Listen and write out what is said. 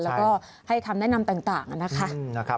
แล้วก็ให้คำแนะนำต่างนะคะ